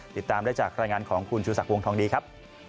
ติดตามได้จากรายงานของคุณชูศักดิ์วงทองดีครับ